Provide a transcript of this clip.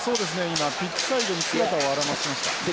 今ピッチサイドに姿を現しました。